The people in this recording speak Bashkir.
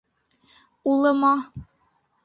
Улыма.